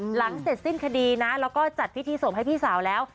หลังเสร็จสิ้นคดีนะแล้วก็จัดพิธีศพให้พี่สาวแล้ว